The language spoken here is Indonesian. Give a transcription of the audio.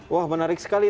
wah menarik sekali